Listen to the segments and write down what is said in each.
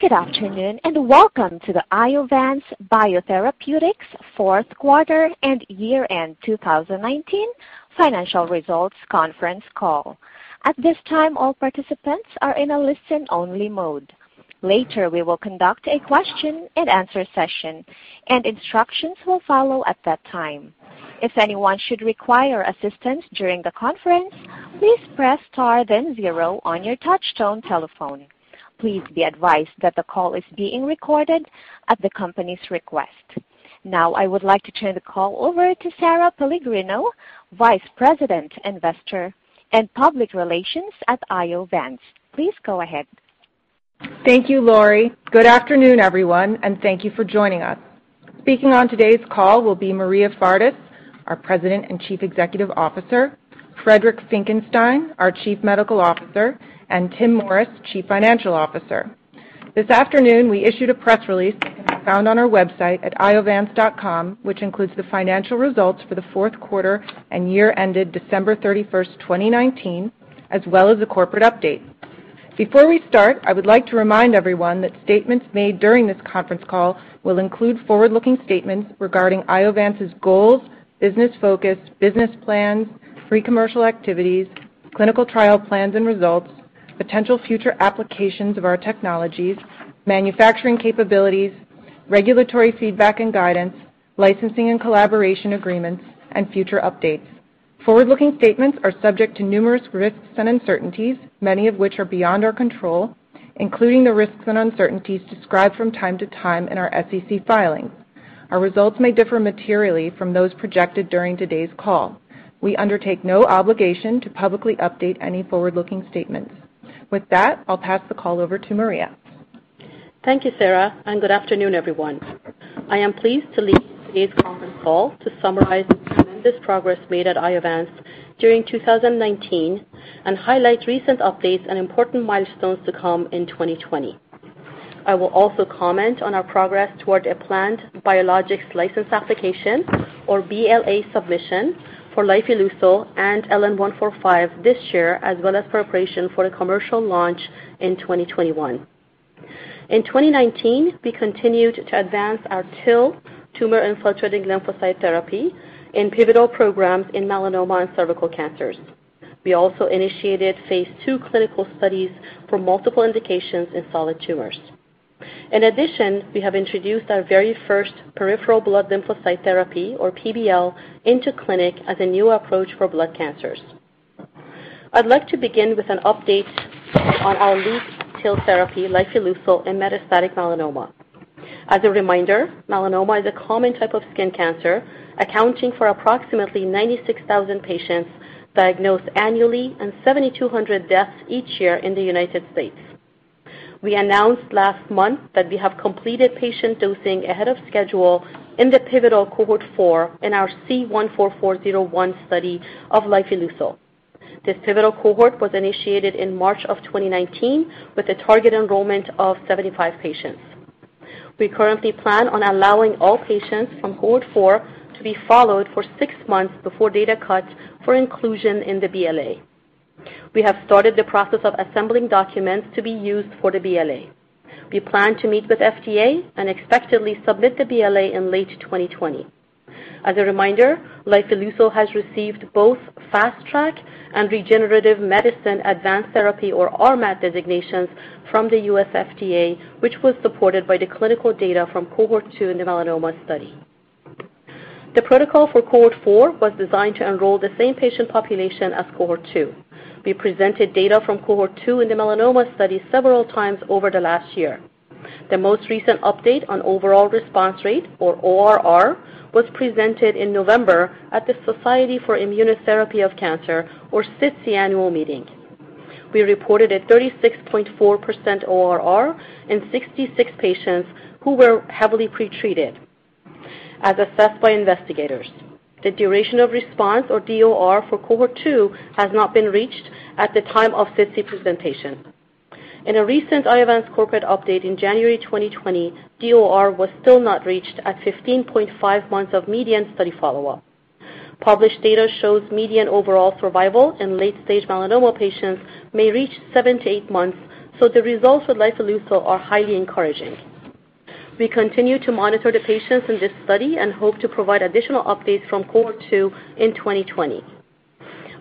Good afternoon, welcome to the Iovance Biotherapeutics fourth quarter and year-end 2019 financial results conference call. At this time, all participants are in a listen-only mode. Later, we will conduct a question and answer session, and instructions will follow at that time. If anyone should require assistance during the conference, please press star then zero on your touchtone telephone. Please be advised that the call is being recorded at the company's request. I would like to turn the call over to Sara Pellegrino, Vice President, Investor and Public Relations at Iovance. Please go ahead. Thank you, Laurie. Good afternoon, everyone, and thank you for joining us. Speaking on today's call will be Maria Fardis, our President and Chief Executive Officer, Friedrich Finkenstein, our Chief Medical Officer, and Timothy Morris, Chief Financial Officer. This afternoon we issued a press release that can be found on our website at iovance.com, which includes the financial results for the fourth quarter and year ended December 31st, 2019, as well as a corporate update. Before we start, I would like to remind everyone that statements made during this conference call will include forward-looking statements regarding Iovance's goals, business focus, business plans, pre-commercial activities, clinical trial plans and results, potential future applications of our technologies, manufacturing capabilities, regulatory feedback and guidance, licensing and collaboration agreements, and future updates. Forward-looking statements are subject to numerous risks and uncertainties, many of which are beyond our control, including the risks and uncertainties described from time to time in our SEC filings. Our results may differ materially from those projected during today's call. We undertake no obligation to publicly update any forward-looking statements. With that, I'll pass the call over to Maria. Thank you, Sara, good afternoon, everyone. I am pleased to lead today's conference call to summarize the tremendous progress made at Iovance during 2019 and highlight recent updates and important milestones to come in 2020. I will also comment on our progress toward a planned biologics license application, or BLA submission for lifileucel and LN-145 this year, as well as preparation for the commercial launch in 2021. In 2019, we continued to advance our TIL, tumor-infiltrating lymphocyte therapy in pivotal programs in melanoma and cervical cancers. We also initiated phase II clinical studies for multiple indications in solid tumors. In addition, we have introduced our very first peripheral blood lymphocyte therapy, or PBL, into clinic as a new approach for blood cancers. I'd like to begin with an update on our lead TIL therapy, lifileucel in metastatic melanoma. As a reminder, melanoma is a common type of skin cancer, accounting for approximately 96,000 patients diagnosed annually and 7,200 deaths each year in the U.S. We announced last month that we have completed patient dosing ahead of schedule in the pivotal cohort 4 in our C-144-01 study of lifileucel. This pivotal cohort was initiated in March of 2019 with a target enrollment of 75 patients. We currently plan on allowing all patients from cohort 4 to be followed for six months before data cuts for inclusion in the BLA. We have started the process of assembling documents to be used for the BLA. We plan to meet with FDA and expectantly submit the BLA in late 2020. As a reminder, lifileucel has received both Fast Track and Regenerative Medicine Advanced Therapy, or RMAT designations from the U.S. FDA, which was supported by the clinical data from cohort 2 in the melanoma study. The protocol for cohort 4 was designed to enroll the same patient population as cohort 2. We presented data from cohort 2 in the melanoma study several times over the last year. The most recent update on overall response rate, or ORR, was presented in November at the Society for Immunotherapy of Cancer, or SITC annual meeting. We reported a 36.4% ORR in 66 patients who were heavily pretreated as assessed by investigators. The duration of response, or DOR, for cohort 2 has not been reached at the time of SITC presentation. In a recent Iovance corporate update in January 2020, DOR was still not reached at 15.5 months of median study follow-up. Published data shows median overall survival in late-stage melanoma patients may reach seven to eight months, so the results with lifileucel are highly encouraging. We continue to monitor the patients in this study and hope to provide additional updates from cohort 2 in 2020.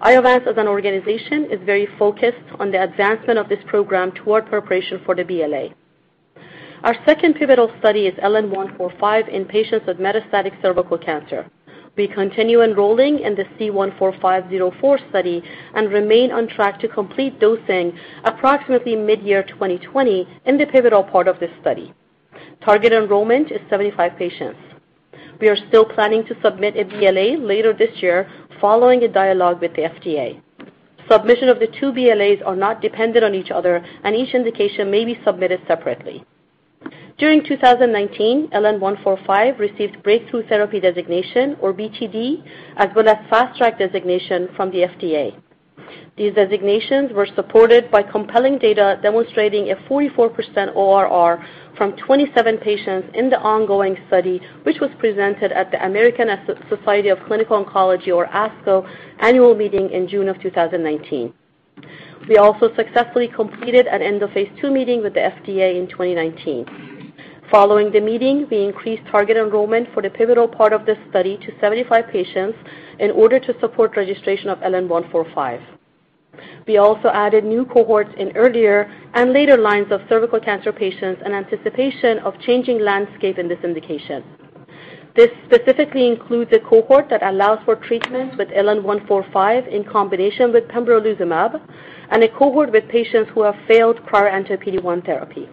Iovance as an organization is very focused on the advancement of this program toward preparation for the BLA. Our second pivotal study is LN-145 in patients with metastatic cervical cancer. We continue enrolling in the C-145-04 study and remain on track to complete dosing approximately midyear 2020 in the pivotal part of this study. Target enrollment is 75 patients. We are still planning to submit a BLA later this year following a dialogue with the FDA. Submission of the two BLAs are not dependent on each other, and each indication may be submitted separately. During 2019, LN-145 received breakthrough therapy designation, or BTD, as well as Fast Track designation from the FDA. These designations were supported by compelling data demonstrating a 44% ORR from 27 patients in the ongoing study, which was presented at the American Society of Clinical Oncology, or ASCO, annual meeting in June of 2019. We also successfully completed an end-of-phase II meeting with the FDA in 2019. Following the meeting, we increased target enrollment for the pivotal part of this study to 75 patients in order to support registration of LN-145. We also added new cohorts in earlier and later lines of cervical cancer patients in anticipation of changing landscape in this indication. This specifically includes a cohort that allows for treatment with LN-145 in combination with pembrolizumab and a cohort with patients who have failed prior anti-PD-1 therapy.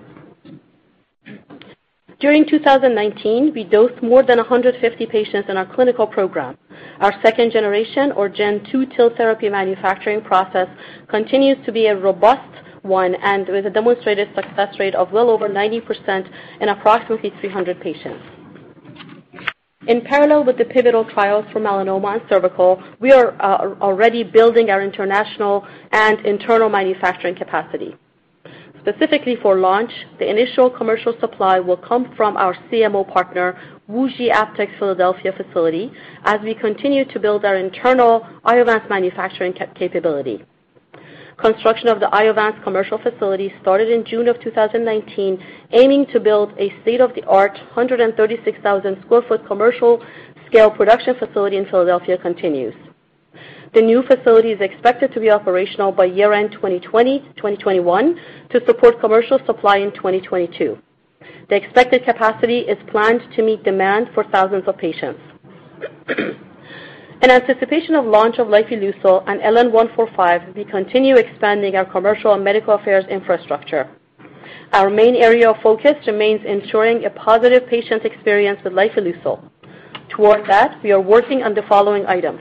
During 2019, we dosed more than 150 patients in our clinical program. Our second generation, or Gen 2, TIL therapy manufacturing process continues to be a robust one and with a demonstrated success rate of well over 90% in approximately 300 patients. In parallel with the pivotal trials for melanoma and cervical, we are already building our international and internal manufacturing capacity. Specifically for launch, the initial commercial supply will come from our CMO partner, WuXi AppTec's Philadelphia facility, as we continue to build our internal Iovance manufacturing capability. Construction of the Iovance commercial facility started in June of 2019, aiming to build a state-of-the-art 136,000 sq ft commercial scale production facility in Philadelphia continues. The new facility is expected to be operational by year-end 2020 to 2021 to support commercial supply in 2022. The expected capacity is planned to meet demand for thousands of patients. In anticipation of launch of lifileucel and LN-145, we continue expanding our commercial and medical affairs infrastructure. Our main area of focus remains ensuring a positive patient experience with lifileucel. Toward that, we are working on the following items: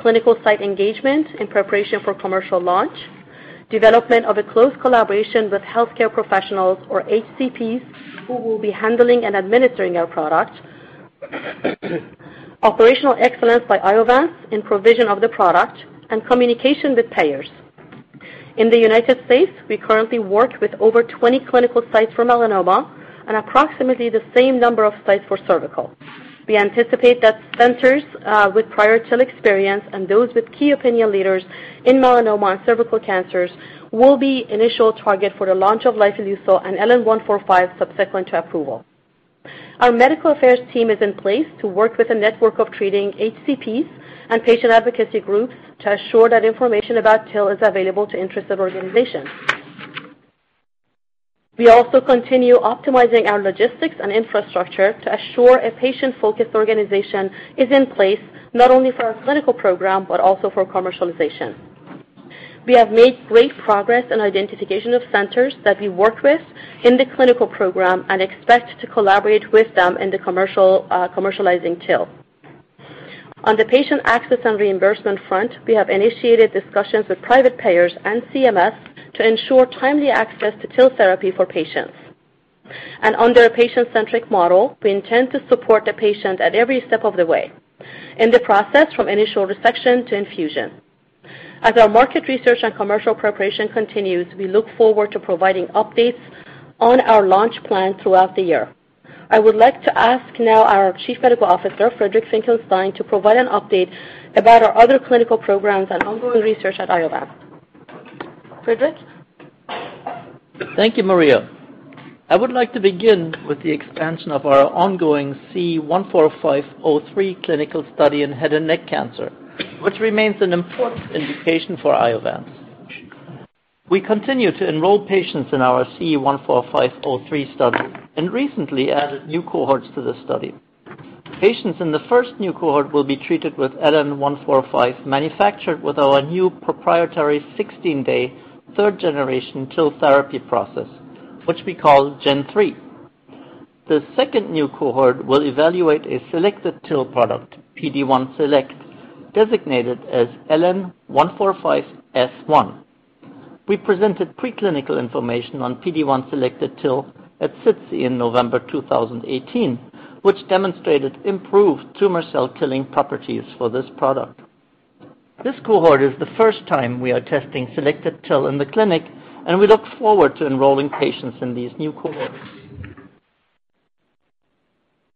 clinical site engagement in preparation for commercial launch, development of a close collaboration with healthcare professionals, or HCPs, who will be handling and administering our product, operational excellence by Iovance in provision of the product, and communication with payers. In the U.S., we currently work with over 20 clinical sites for melanoma and approximately the same number of sites for cervical. We anticipate that centers with prior TIL experience and those with key opinion leaders in melanoma and cervical cancers will be initial target for the launch of lifileucel and LN-145 subsequent to approval. Our medical affairs team is in place to work with a network of treating HCPs and patient advocacy groups to assure that information about TIL is available to interested organizations. We also continue optimizing our logistics and infrastructure to assure a patient-focused organization is in place not only for our clinical program, but also for commercialization. We have made great progress in identification of centers that we work with in the clinical program and expect to collaborate with them in the commercializing TIL. On the patient access and reimbursement front, we have initiated discussions with private payers and CMS to ensure timely access to TIL therapy for patients. Under a patient-centric model, we intend to support the patient at every step of the way in the process from initial resection to infusion. As our market research and commercial preparation continues, we look forward to providing updates on our launch plan throughout the year. I would like to ask now our Chief Medical Officer, Friedrich Finckenstein, to provide an update about our other clinical programs and ongoing research at Iovance. Friedrich? Thank you, Maria. I would like to begin with the expansion of our ongoing C-145-03 clinical study in head and neck cancer, which remains an important indication for Iovance. We continue to enroll patients in our C-145-03 study and recently added new cohorts to the study. Patients in the first new cohort will be treated with LN-145 manufactured with our new proprietary 16-day third generation TIL therapy process, which we call Gen 3. The second new cohort will evaluate a selected TIL product, PD-1 select, designated as LN-145 S1. We presented preclinical information on PD-1 selected TIL at SITC in November 2018, which demonstrated improved tumor cell killing properties for this product. This cohort is the first time we are testing selected TIL in the clinic, and we look forward to enrolling patients in these new cohorts.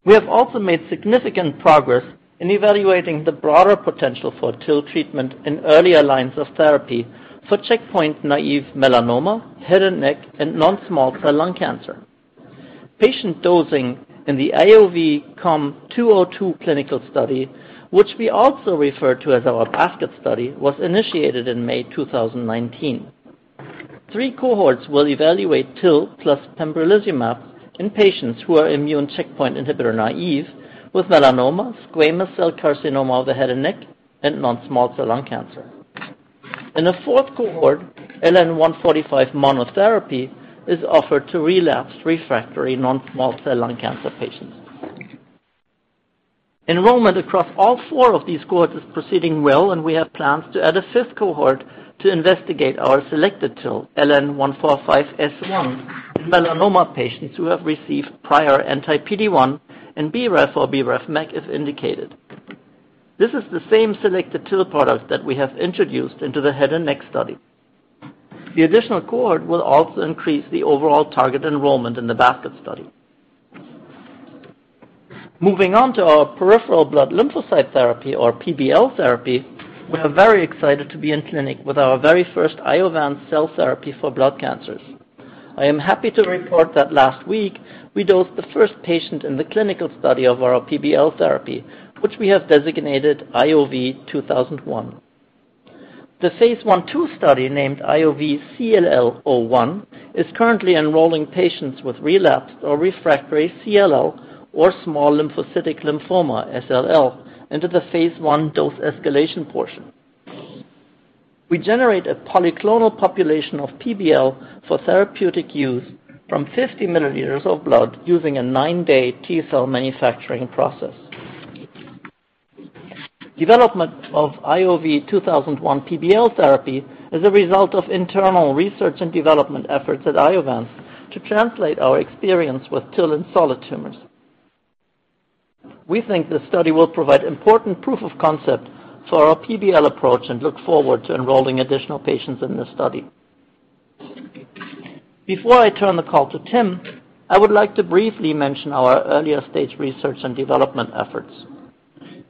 We have also made significant progress in evaluating the broader potential for TIL treatment in earlier lines of therapy for checkpoint-naive melanoma, head and neck, and non-small cell lung cancer. Patient dosing in the IOV-COM-202 clinical study, which we also refer to as our basket study, was initiated in May 2019. Three cohorts will evaluate TIL plus pembrolizumab in patients who are immune checkpoint inhibitor naive with melanoma, squamous cell carcinoma of the head and neck, and non-small cell lung cancer. In a fourth cohort, LN-145 monotherapy is offered to relapsed refractory non-small cell lung cancer patients. Enrollment across all four of these cohorts is proceeding well, and we have plans to add a fifth cohort to investigate our selected TIL, LN-145-S1, in melanoma patients who have received prior anti-PD-1 and BRAF or MEK as indicated. This is the same selected TIL product that we have introduced into the head and neck study. The additional cohort will also increase the overall target enrollment in the basket study. Moving on to our peripheral blood lymphocyte therapy or PBL therapy, we are very excited to be in clinic with our very first Iovance cell therapy for blood cancers. I am happy to report that last week I dosed the first patient in the clinical study of our PBL therapy, which we have designated IOV-2001. The phase I/II study named IOV-CLL-01 is currently enrolling patients with relapsed or refractory CLL or small lymphocytic lymphoma, SLL, into the phase I dose escalation portion. We generate a polyclonal population of PBL for therapeutic use from 50 milliliters of blood using a nine-day T-cell manufacturing process. Development of IOV-2001 PBL therapy is a result of internal research and development efforts at Iovance to translate our experience with TIL in solid tumors. We think this study will provide important proof of concept for our PBL approach and look forward to enrolling additional patients in this study. Before I turn the call to Tim, I would like to briefly mention our earlier-stage research and development efforts.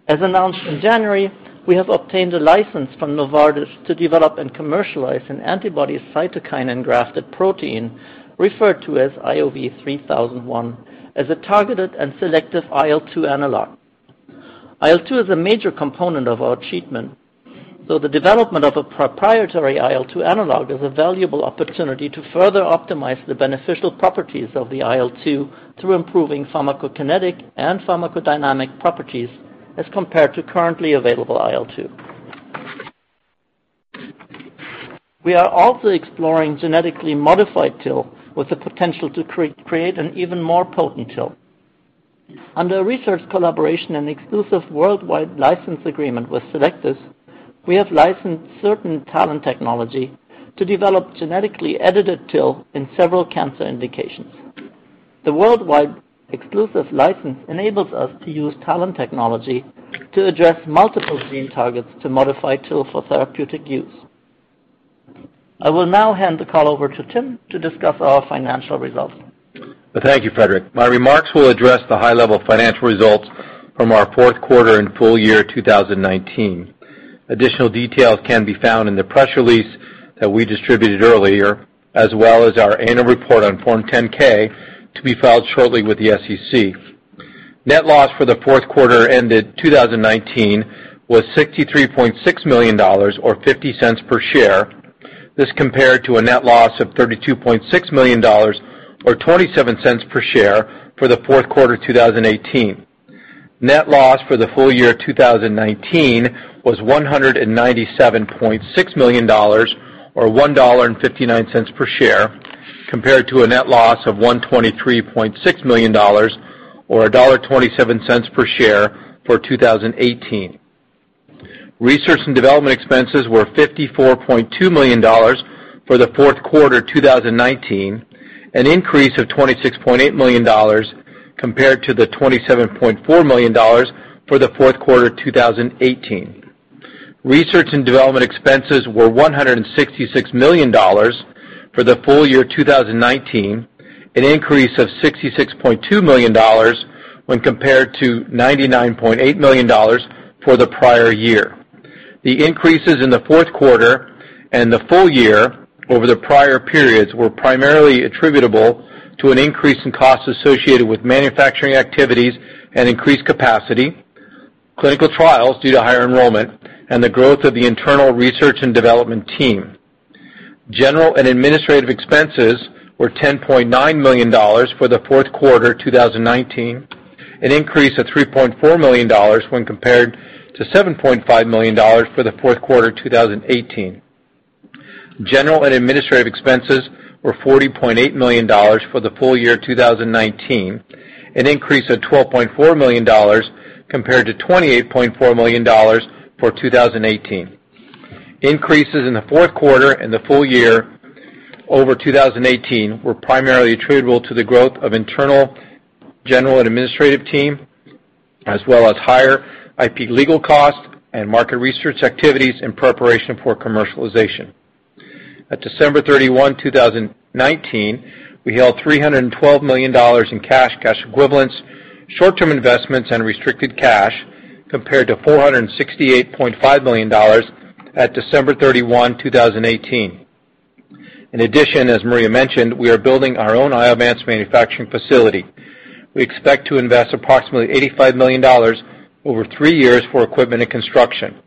As announced in January, we have obtained a license from Novartis to develop and commercialize an antibody cytokine and grafted protein referred to as IOV-3001 as a targeted and selective IL-2 analog. IL-2 is a major component of our treatment, so the development of a proprietary IL-2 analog is a valuable opportunity to further optimize the beneficial properties of the IL-2 through improving pharmacokinetic and pharmacodynamic properties as compared to currently available IL-2. We are also exploring genetically modified TIL with the potential to create an even more potent TIL. Under a research collaboration and exclusive worldwide license agreement with Cellectis, we have licensed certain TALEN technology to develop genetically edited TIL in several cancer indications. The worldwide exclusive license enables us to use TALEN technology to address multiple gene targets to modify TIL for therapeutic use. I will now hand the call over to Timothy to discuss our financial results. Thank you, Friedrich. My remarks will address the high-level financial results from our fourth quarter and full year 2019. Additional details can be found in the press release that we distributed earlier, as well as our annual report on Form 10-K to be filed shortly with the SEC. Net loss for the fourth quarter ended 2019 was $63.6 million or SITC cents per share. This compared to a net loss of $32.6 million or $0.27 per share for the fourth quarter 2018. Net loss for the full year 2019 was $197.6 million or $1.59 per share, compared to a net loss of $123.6 million or $1.27 per share for 2018. Research and development expenses were $54.2 million for the fourth quarter 2019, an increase of $26.8 million compared to the $27.4 million for the fourth quarter 2018. Research and development expenses were $166 million for the full year 2019, an increase of $66.2 million when compared to $99.8 million for the prior year. The increases in the fourth quarter and the full year over the prior periods were primarily attributable to an increase in costs associated with manufacturing activities and increased capacity, clinical trials due to higher enrollment, and the growth of the internal research and development team. General and administrative expenses were $10.9 million for the fourth quarter 2019, an increase of $3.4 million when compared to $7.5 million for the fourth quarter 2018. General and administrative expenses were $40.8 million for the full year 2019, an increase of $12.4 million compared to $28.4 million for 2018. Increases in the fourth quarter and the full year over 2018 were primarily attributable to the growth of internal general and administrative team, as well as higher IP legal costs and market research activities in preparation for commercialization. At December 31, 2019, we held $312 million in cash equivalents, short-term investments, and restricted cash compared to $468.5 million at December 31, 2018. In addition, as Maria mentioned, we are building our own Iovance manufacturing facility. We expect to invest approximately $85 million over three years for equipment and construction.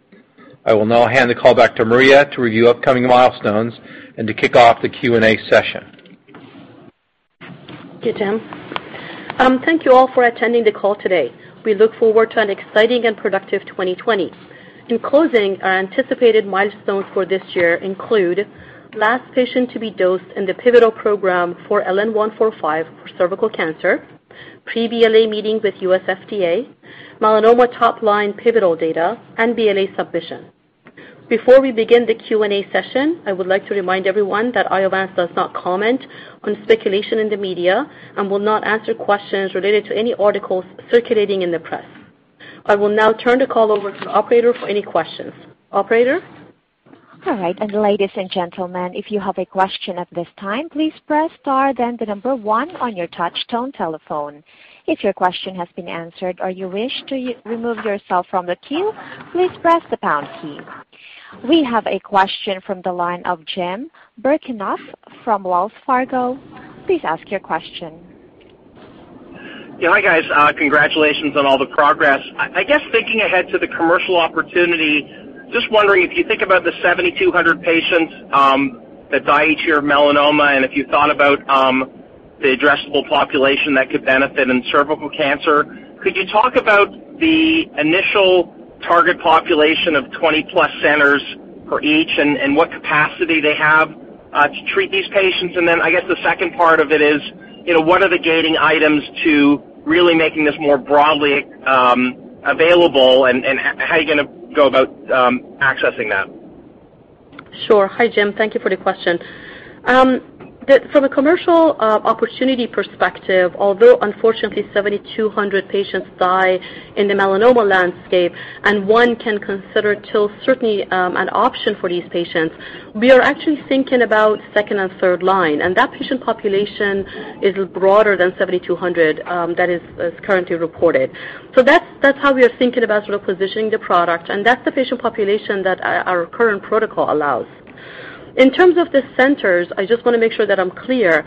I will now hand the call back to Maria to review upcoming milestones and to kick off the Q&A session. Okay, Tim. Thank you all for attending the call today. We look forward to an exciting and productive 2020. In closing, our anticipated milestones for this year include last patient to be dosed in the pivotal program for LN-145 for cervical cancer, pre-BLA meetings with U.S. FDA, melanoma top-line pivotal data, and BLA submission. Before we begin the Q&A session, I would like to remind everyone that Iovance does not comment on speculation in the media and will not answer questions related to any articles circulating in the press. I will now turn the call over to the operator for any questions. Operator? Ladies and gentlemen, if you have a question at this time, please press star then the number 1 on your touchtone telephone. If your question has been answered or you wish to remove yourself from the queue, please press the pound key. We have a question from the line of Jim Birchenough from Wells Fargo. Please ask your question. Yeah. Hi, guys. Congratulations on all the progress. I guess thinking ahead to the commercial opportunity, just wondering if you think about the 7,200 patients that die each year of melanoma, and if you thought about the addressable population that could benefit in cervical cancer, could you talk about the initial target population of 20-plus centers for each and what capacity they have, to treat these patients? Then, I guess the second part of it is, what are the gating items to really making this more broadly available and how are you going to go about accessing that? Sure. Hi, Jim. Thank you for the question. From a commercial opportunity perspective, although unfortunately 7,200 patients die in the melanoma landscape, and one can consider TIL certainly an option for these patients, we are actually thinking about second and third line, and that patient population is broader than 7,200 that is currently reported. That's how we are thinking about sort of positioning the product, and that's the patient population that our current protocol allows. In terms of the centers, I just want to make sure that I'm clear.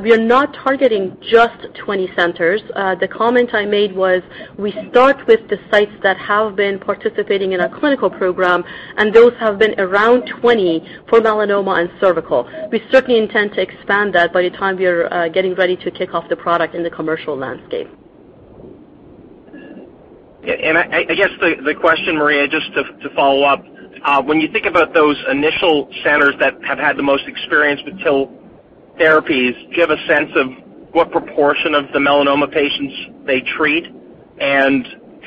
We are not targeting just 20 centers. The comment I made was we start with the sites that have been participating in our clinical program, and those have been around 20 for melanoma and cervical. We certainly intend to expand that by the time we are getting ready to kick off the product in the commercial landscape. Yeah. I guess the question, Maria, just to follow up, when you think about those initial centers that have had the most experience with TIL therapies, do you have a sense of what proportion of the melanoma patients they treat?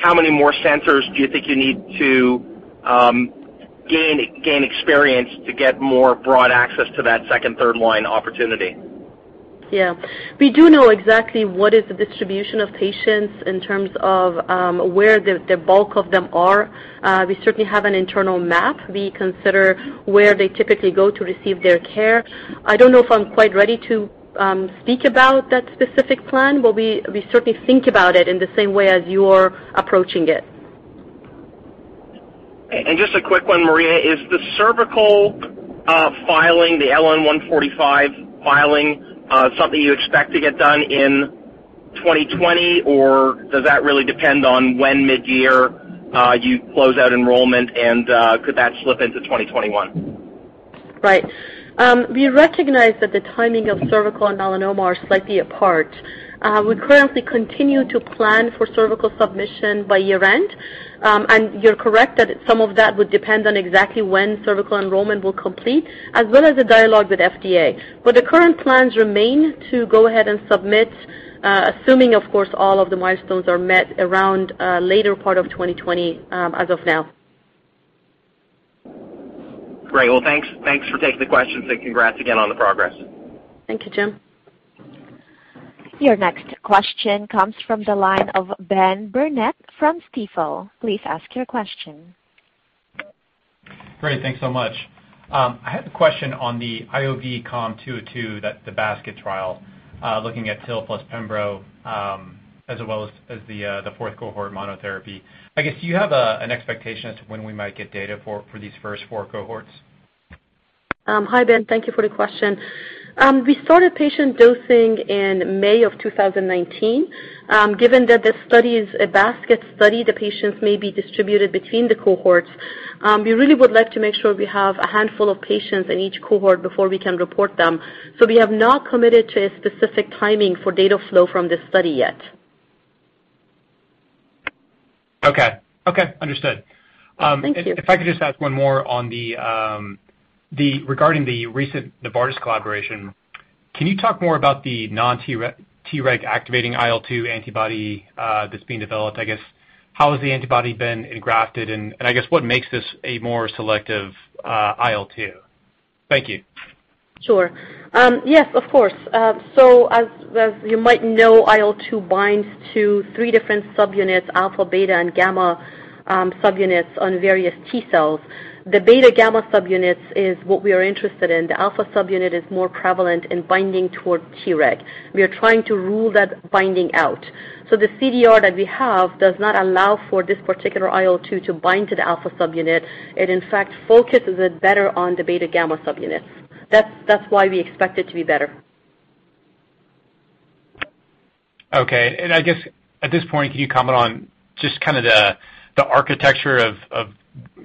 How many more centers do you think you need to gain experience to get more broad access to that second, third line opportunity? We do know exactly what is the distribution of patients in terms of where the bulk of them are. We certainly have an internal map. We consider where they typically go to receive their care. I don't know if I'm quite ready to speak about that specific plan, but we certainly think about it in the same way as you're approaching it. Just a quick one, Maria. Is the cervical filing, the LN-145 filing, something you expect to get done in 2020, or does that really depend on when mid-year you close out enrollment, and could that slip into 2021? Right. We recognize that the timing of cervical and melanoma are slightly apart. We currently continue to plan for cervical submission by year-end. You're correct that some of that would depend on exactly when cervical enrollment will complete, as well as the dialogue with FDA. The current plans remain to go ahead and submit, assuming, of course, all of the milestones are met around later part of 2020 as of now. Great. Well, thanks for taking the questions and congrats again on the progress. Thank you, Jim. Your next question comes from the line of Ben Burnett from Stifel. Please ask your question. Great, thanks so much. I had a question on the IOV-COM-202, the basket trial, looking at TIL plus pembro, as well as the fourth cohort monotherapy. I guess, do you have an expectation as to when we might get data for these first four cohorts? Hi, Ben. Thank you for the question. We started patient dosing in May of 2019. Given that the study is a basket study, the patients may be distributed between the cohorts. We really would like to make sure we have a handful of patients in each cohort before we can report them. We have not committed to a specific timing for data flow from this study yet. Okay. Understood. Thank you. If I could just ask one more regarding the recent Novartis collaboration. Can you talk more about the non-Treg activating IL-2 antibody that's being developed? I guess, how has the antibody been engrafted and, I guess, what makes this a more selective IL-2? Thank you. Sure. Yes, of course. As you might know, IL-2 binds to three different subunits, alpha, beta, and gamma subunits on various T cells. The beta gamma subunits is what we are interested in. The alpha subunit is more prevalent in binding toward Treg. We are trying to rule that binding out. The CDR that we have does not allow for this particular IL-2 to bind to the alpha subunit. It, in fact, focuses it better on the beta gamma subunit. That's why we expect it to be better. Okay. I guess at this point, can you comment on just kind of the architecture of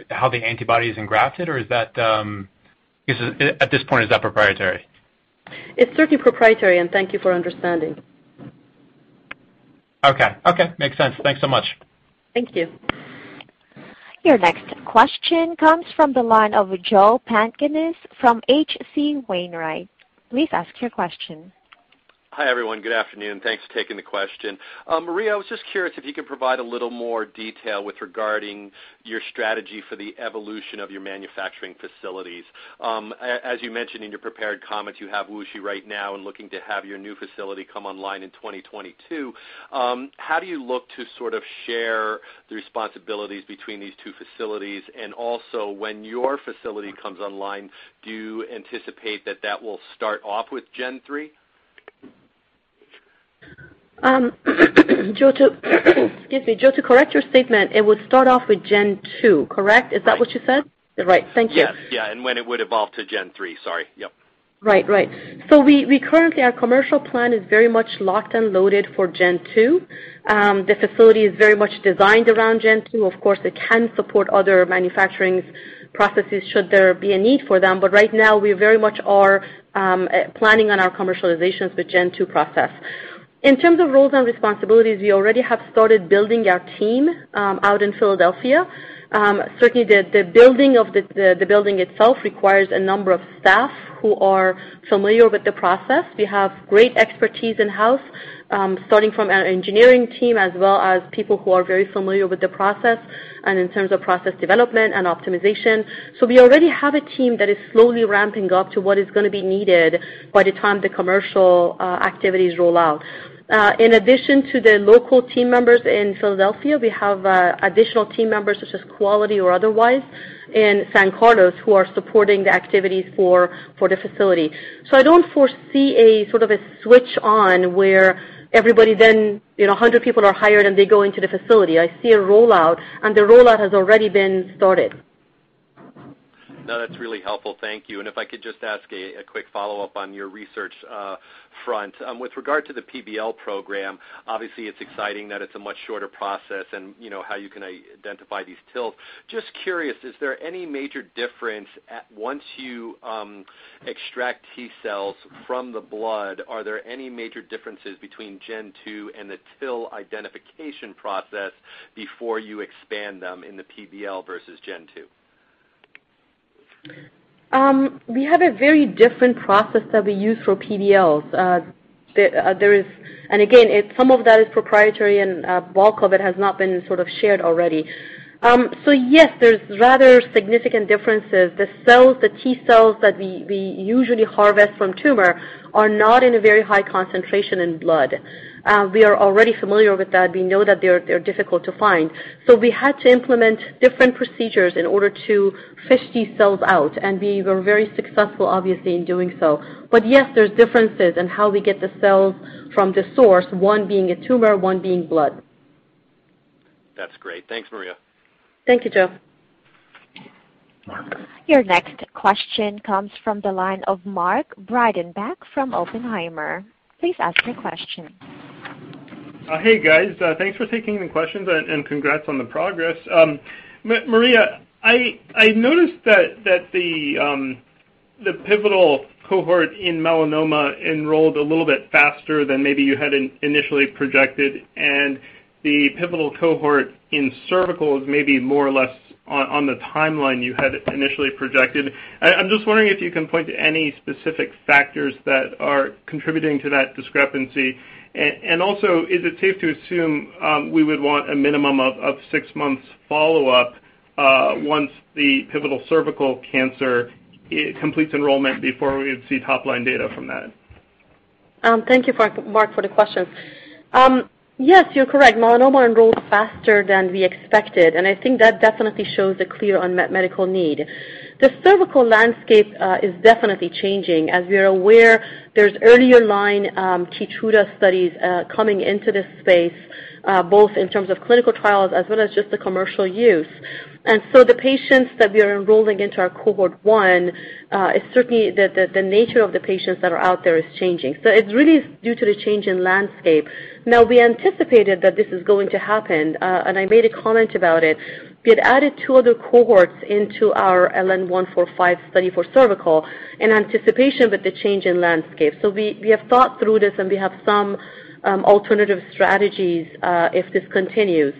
how the antibody is engrafted, or at this point, is that proprietary? It's certainly proprietary, and thank you for understanding. Okay. Makes sense. Thanks so much. Thank you. Your next question comes from the line of Joel Panknin from H.C. Wainwright. Please ask your question. Hi, everyone. Good afternoon. Thanks for taking the question. Maria, I was just curious if you could provide a little more detail with regarding your strategy for the evolution of your manufacturing facilities. As you mentioned in your prepared comments, you have WuXi right now and looking to have your new facility come online in 2022. How do you look to sort of share the responsibilities between these two facilities? Also, when your facility comes online, do you anticipate that that will start off with Gen 3? Joel, to correct your statement, it would start off with Gen2, correct? Is that what you said? Right. Right. Thank you. Yes, yeah. When it would evolve to Gen 3. Sorry. Yep. Currently, our commercial plan is very much locked and loaded for Gen 2. The facility is very much designed around Gen 2. Of course, it can support other manufacturing processes should there be a need for them, right now we very much are planning on our commercializations with Gen-2 process. In terms of roles and responsibilities, we already have started building our team out in Philadelphia. Certainly, the building itself requires a number of staff who are familiar with the process. We have great expertise in-house, starting from our engineering team as well as people who are very familiar with the process and in terms of process development and optimization. We already have a team that is slowly ramping up to what is going to be needed by the time the commercial activities roll out. In addition to the local team members in Philadelphia, we have additional team members such as quality or otherwise in San Carlos who are supporting the activities for the facility. I don't foresee a sort of a switch on where everybody then, 100 people are hired, and they go into the facility. I see a rollout, and the rollout has already been started. No, that's really helpful. Thank you. If I could just ask a quick follow-up on your research front. With regard to the PBL program, obviously it's exciting that it's a much shorter process and how you can identify these TILs. Just curious, is there any major difference once you extract T cells from the blood? Are there any major differences between Gen2 and the TIL identification process before you expand them in the PBL versus Gen2? We have a very different process that we use for PBLs. Again, some of that is proprietary, and bulk of it has not been sort of shared already. Yes, there's rather significant differences. The T cells that we usually harvest from tumor are not in a very high concentration in blood. We are already familiar with that. We know that they're difficult to find. We had to implement different procedures in order to fish these cells out, and we were very successful, obviously, in doing so. Yes, there's differences in how we get the cells from the source, one being a tumor, one being blood. That's great. Thanks, Maria. Thank you, Joe. Your next question comes from the line of Mark Breidenbach from Oppenheimer. Please ask your question. Hey, guys. Thanks for taking the questions, and congrats on the progress. Maria, I noticed that the pivotal cohort in melanoma enrolled a little bit faster than maybe you had initially projected, and the pivotal cohort in cervical is maybe more or less on the timeline you had initially projected. I'm just wondering if you can point to any specific factors that are contributing to that discrepancy. Also, is it safe to assume we would want a minimum of six months follow-up once the pivotal cervical cancer completes enrollment before we would see top-line data from that? Thank you, Mark, for the question. Yes, you're correct. melanoma enrolled faster than we expected, and I think that definitely shows a clear unmet medical need. The cervical landscape is definitely changing. As we are aware, there's earlier-line KEYTRUDA studies coming into this space, both in terms of clinical trials as well as just the commercial use. The patients that we are enrolling into our cohort 1, certainly the nature of the patients that are out there is changing. It's really due to the change in landscape. Now, we anticipated that this is going to happen, and I made a comment about it. We had added 2 other cohorts into our LN-145 study for cervical in anticipation with the change in landscape. We have thought through this, and we have some alternative strategies if this continues.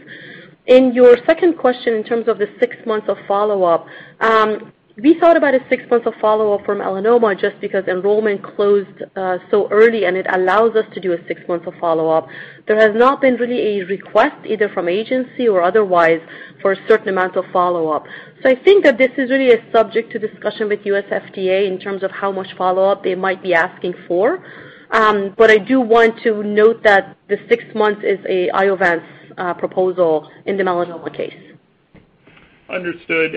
In your second question, in terms of the six months of follow-up, we thought about a six months of follow-up from melanoma just because enrollment closed so early, and it allows us to do a six months of follow-up. There has not been really a request, either from agency or otherwise, for a certain amount of follow-up. I think that this is really a subject to discussion with U.S. FDA in terms of how much follow-up they might be asking for. I do want to note that the six months is a Iovance proposal in the melanoma case. Understood.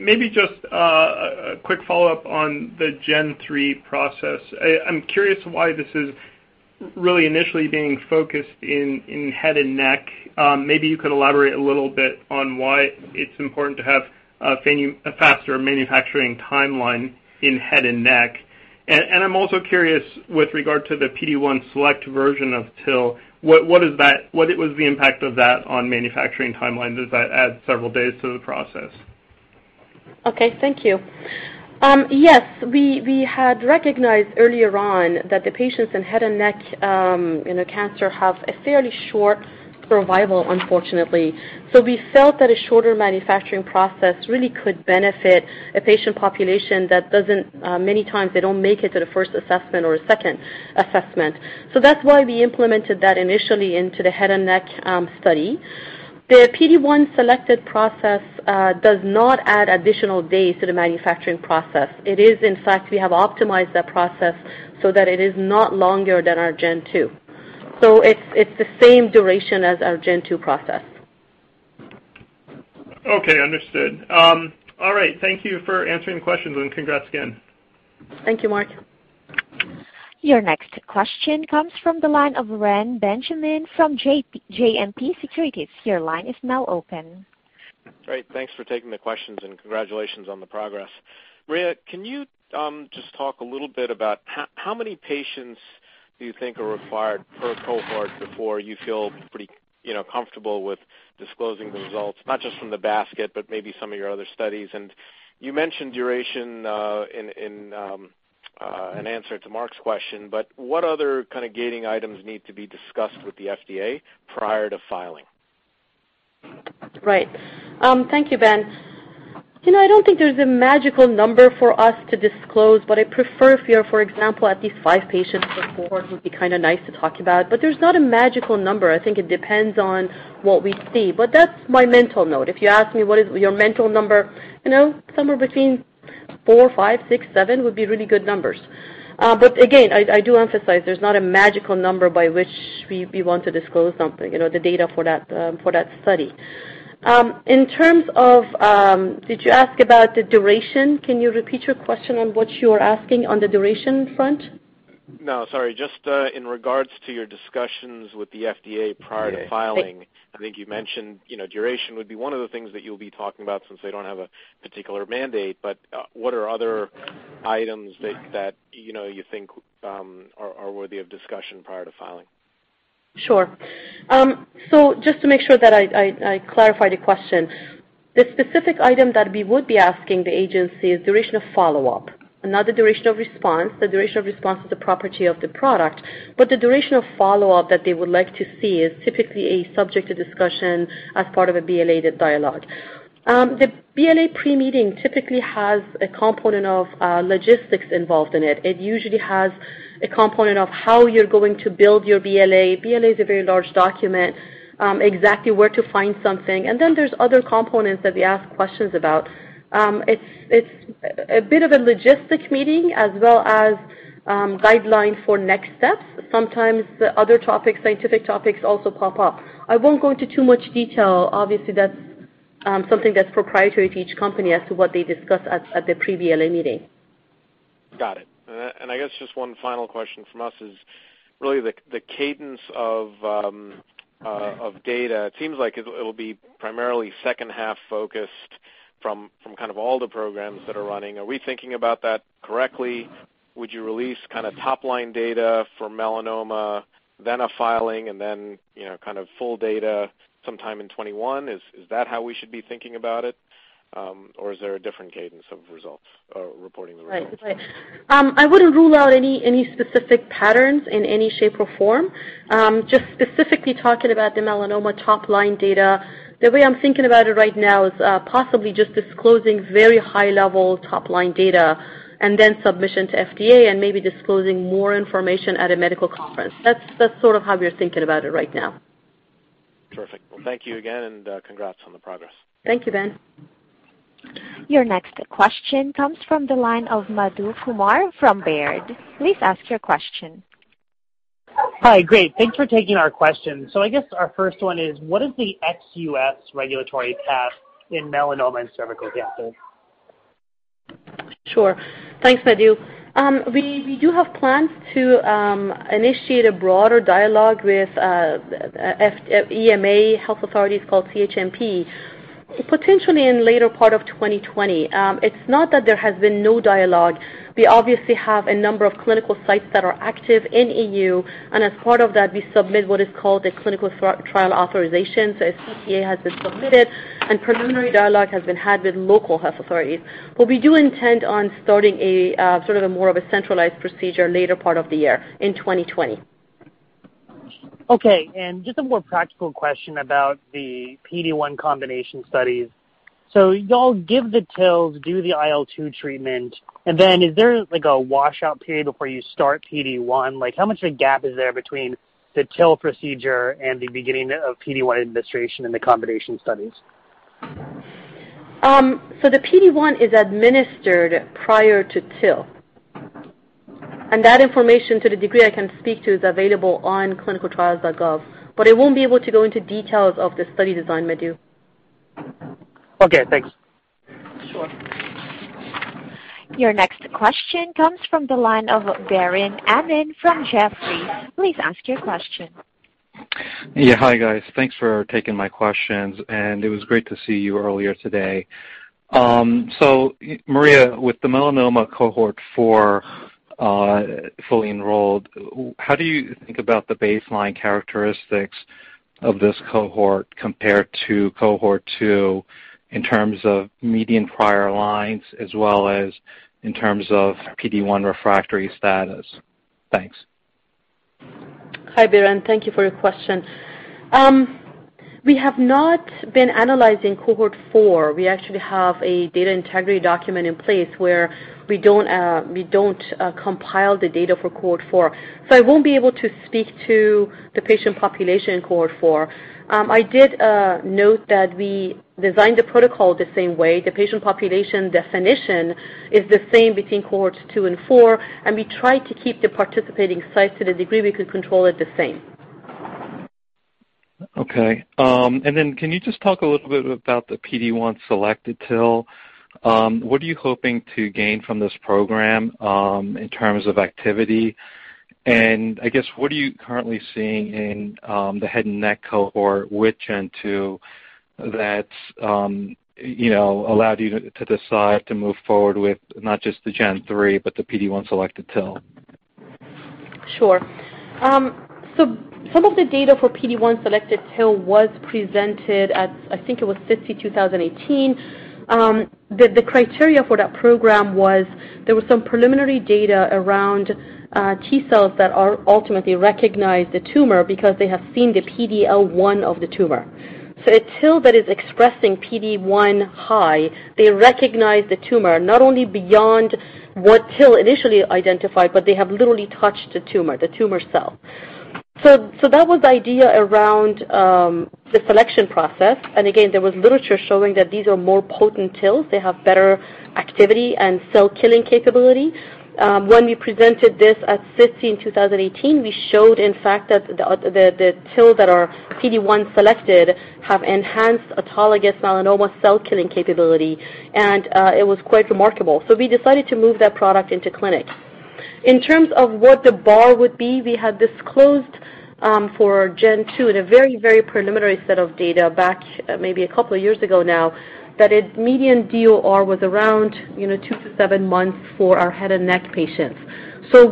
Maybe just a quick follow-up on the Gen3 process. I'm curious why this is really initially being focused in head and neck. Maybe you could elaborate a little bit on why it's important to have a faster manufacturing timeline in head and neck. I'm also curious with regard to the PD-1 select version of TIL, what was the impact of that on manufacturing timeline? Does that add several days to the process? Okay. Thank you. Yes. We had recognized earlier on that the patients in head and neck cancer have a fairly short survival, unfortunately. We felt that a shorter manufacturing process really could benefit a patient population that many times they don't make it to the first assessment or a second assessment. That's why we implemented that initially into the head and neck study. The PD-1 selected process does not add additional days to the manufacturing process. It is, in fact, we have optimized that process so that it is not longer than our Gen2. It's the same duration as our Gen2 process. Okay, understood. All right. Thank you for answering the questions, and congrats again. Thank you, Mark. Your next question comes from the line of Reni Benjamin from JMP Securities. Your line is now open. Great. Thanks for taking the questions, and congratulations on the progress. Maria, can you just talk a little bit about how many patients do you think are required per cohort before you feel pretty comfortable with disclosing the results, not just from the basket, but maybe some of your other studies? You mentioned duration in an answer to Mark's question, but what other kind of gating items need to be discussed with the FDA prior to filing? Right. Thank you, Ben. I don't think there's a magical number for us to disclose, I prefer if you're, for example, at least five patients report would be kind of nice to talk about, there's not a magical number. I think it depends on what we see. That's my mental note. If you ask me, "What is your mental number?" Somewhere between four, five, six, seven would be really good numbers. Again, I do emphasize there's not a magical number by which we want to disclose something, the data for that study. Did you ask about the duration? Can you repeat your question on what you are asking on the duration front? No, sorry. Just in regards to your discussions with the FDA prior to filing- Yeah. I think you mentioned duration would be one of the things that you'll be talking about since they don't have a particular mandate, but what are other items that you think are worthy of discussion prior to filing? Sure. Just to make sure that I clarify the question. The specific item that we would be asking the agency is duration of follow-up, not the duration of response. The duration of response is the property of the product, but the duration of follow-up that they would like to see is typically a subject to discussion as part of a BLA dialogue. The BLA pre-meeting typically has a component of logistics involved in it. It usually has a component of how you're going to build your BLA. BLA is a very large document, exactly where to find something, and then there's other components that they ask questions about. It's a bit of a logistics meeting as well as guideline for next steps. Sometimes the other topics, scientific topics also pop up. I won't go into too much detail. Obviously, that's something that's proprietary to each company as to what they discuss at the pre-BLA meeting. Got it. I guess just one final question from us is really the cadence of data. It seems like it'll be primarily second half focused from kind of all the programs that are running. Are we thinking about that correctly? Would you release kind of top-line data for melanoma, then a filing, and then kind of full data sometime in 2021? Is that how we should be thinking about it? Is there a different cadence of results or reporting the results? Right. I wouldn't rule out any specific patterns in any shape or form. Specifically talking about the melanoma top-line data, the way I'm thinking about it right now is possibly just disclosing very high-level top-line data and then submission to FDA and maybe disclosing more information at a medical conference. That's sort of how we're thinking about it right now. Terrific. Well, thank you again, and congrats on the progress. Thank you, Ben. Your next question comes from the line of Madhu Kumar from Baird. Please ask your question. Hi. Great. Thanks for taking our question. I guess our first one is, what is the ex-U.S. regulatory path in melanoma and cervical cancer? Sure. Thanks, Madhu. We do have plans to initiate a broader dialogue with EMA health authorities called CHMP, potentially in later part of 2020. It's not that there has been no dialogue. We obviously have a number of clinical sites that are active in EU, and as part of that, we submit what is called a clinical trial authorization. A CTA has been submitted, and preliminary dialogue has been had with local health authorities. We do intend on starting sort of a more of a centralized procedure later part of the year in 2020. Okay. Just a more practical question about the PD-1 combination studies. You all give the TILs, do the IL-2 treatment, and then is there like a washout period before you start PD-1? How much of a gap is there between the TIL procedure and the beginning of PD-1 administration in the combination studies? The PD-1 is administered prior to TIL. That information, to the degree I can speak to, is available on clinicaltrials.gov, but I won't be able to go into details of the study design, Madhu. Okay, thanks. Sure. Your next question comes from the line of Biren Amin from Jefferies. Please ask your question. Yeah. Hi, guys. Thanks for taking my questions, and it was great to see you earlier today. Maria, with the melanoma cohort 4 fully enrolled, how do you think about the baseline characteristics of this cohort compared to cohort 2 in terms of median prior lines as well as in terms of PD-1 refractory status? Thanks. Hi, Biren. Thank you for your question. We have not been analyzing cohort 4. We actually have a data integrity document in place where we don't compile the data for cohort 4, so I won't be able to speak to the patient population cohort 4. I did note that we designed the protocol the same way. The patient population definition is the same between cohorts 2 and 4, and we try to keep the participating sites to the degree we could control it the same. Okay. Can you just talk a little bit about the PD-1 selected TIL? What are you hoping to gain from this program in terms of activity? I guess, what are you currently seeing in the head and neck cohort with Gen2 that allowed you to decide to move forward with not just the Gen3, but the PD-1 selected TIL? Sure. Some of the data for PD-1 selected TIL was presented at, I think it was SITC 2018. The criteria for that program was there was some preliminary data around T cells that are ultimately recognize the tumor because they have seen the PD-L1 of the tumor. A TIL that is expressing PD-1 high, they recognize the tumor not only beyond what TIL initially identified, but they have literally touched the tumor, the tumor cell. That was the idea around the selection process. Again, there was literature showing that these are more potent TILs. They have better activity and cell-killing capability. When we presented this at SITC in 2018, we showed, in fact, that the TIL that are PD-1 selected have enhanced autologous melanoma cell-killing capability. It was quite remarkable. We decided to move that product into clinic. In terms of what the bar would be, we had disclosed for Gen2 in a very preliminary set of data back maybe a couple of years ago now, that its median DOR was around two to seven months for our head and neck patients.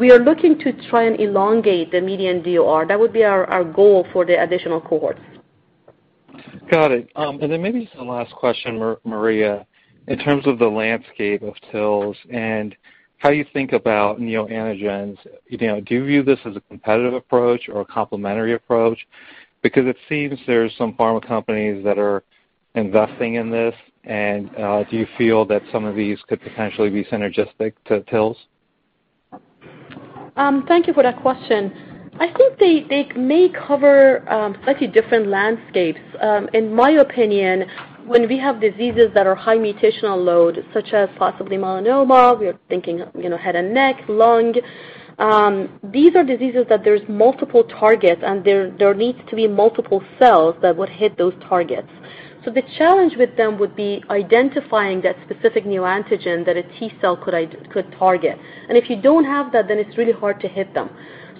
We are looking to try and elongate the median DOR. That would be our goal for the additional cohorts. Got it. Then maybe some last question, Maria. In terms of the landscape of TILs and how you think about neoantigens, do you view this as a competitive approach or a complementary approach? It seems there's some pharma companies that are investing in this, and do you feel that some of these could potentially be synergistic to TILs? Thank you for that question. I think they may cover slightly different landscapes. In my opinion, when we have diseases that are high mutational load, such as possibly melanoma, we are thinking head and neck, lung. These are diseases that there's multiple targets, and there needs to be multiple cells that would hit those targets. The challenge with them would be identifying that specific new antigen that a T cell could target. If you don't have that, then it's really hard to hit them.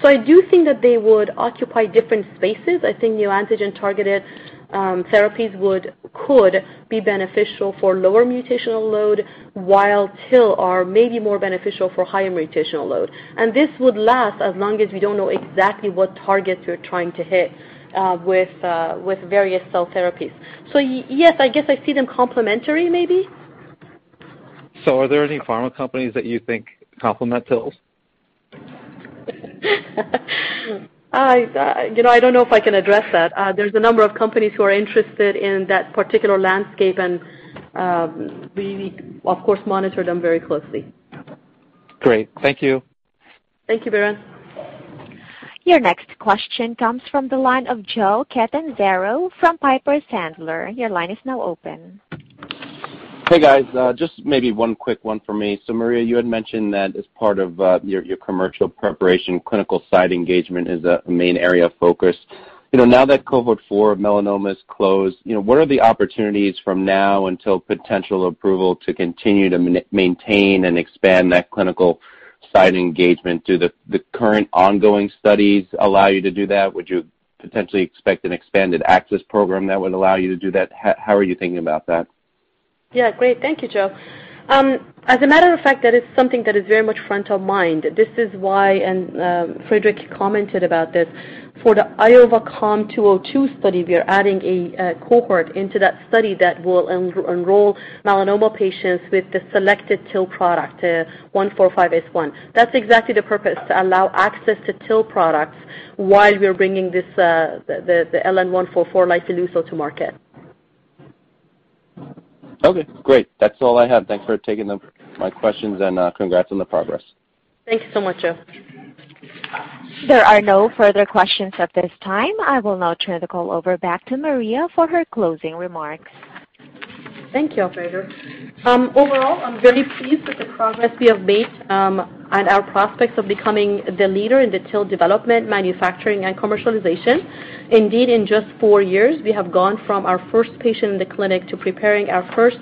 I do think that they would occupy different spaces. I think neoantigen-targeted therapies could be beneficial for lower mutational load, while TIL are maybe more beneficial for higher mutational load. This would last as long as we don't know exactly what targets we're trying to hit with various cell therapies. Yes, I guess I see them complementary, maybe. Are there any pharma companies that you think complement TILs? I don't know if I can address that. There's a number of companies who are interested in that particular landscape. We of course, monitor them very closely. Great. Thank you. Thank you, Biren. Your next question comes from the line of Joseph Catanzaro from Piper Sandler. Your line is now open. Hey, guys. Just maybe one quick one for me. Maria, you had mentioned that as part of your commercial preparation, clinical site engagement is a main area of focus. Now that cohort 4 of melanoma is closed, what are the opportunities from now until potential approval to continue to maintain and expand that clinical site engagement? Do the current ongoing studies allow you to do that? Would you potentially expect an expanded access program that would allow you to do that? How are you thinking about that? Yeah. Great. Thank you, Joe. As a matter of fact, that is something that is very much front of mind. This is why, and Friedrich commented about this, for the IOV-COM-202 study, we are adding a cohort into that study that will enroll melanoma patients with the selected TIL product, LN-145-S1. That's exactly the purpose, to allow access to TIL products while we're bringing the LN-144, lifileucel, to market. Okay, great. That's all I have. Thanks for taking my questions, and congrats on the progress. Thanks so much, Joe. There are no further questions at this time. I will now turn the call over back to Maria for her closing remarks. Thank you, Operator. Overall, I'm very pleased with the progress we have made and our prospects of becoming the leader in the TIL development, manufacturing, and commercialization. Indeed, in just four years, we have gone from our first patient in the clinic to preparing our first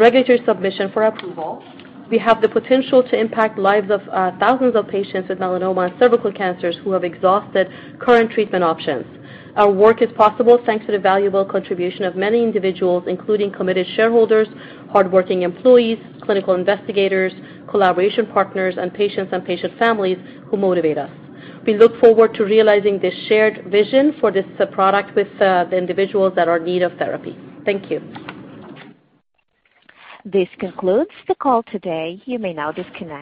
regulatory submission for approval. We have the potential to impact lives of thousands of patients with melanoma and cervical cancers who have exhausted current treatment options. Our work is possible thanks to the valuable contribution of many individuals, including committed shareholders, hardworking employees, clinical investigators, collaboration partners, and patients and patient families who motivate us. We look forward to realizing this shared vision for this product with the individuals that are in need of therapy. Thank you. This concludes the call today. You may now disconnect.